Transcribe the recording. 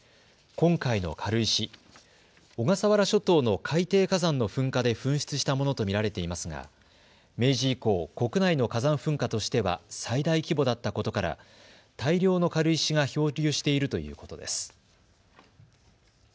今回の軽石、小笠原諸島の海底火山の噴火で噴出したものと見られていますが明治以降、国内の火山噴火としては最大規模だったことから大量の軽石が漂流しているということです。